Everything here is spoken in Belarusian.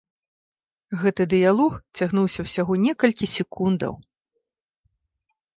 Гэты дыялог цягнуўся ўсяго некалькі секундаў.